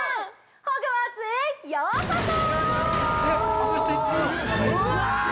ホグワーツへようこそ！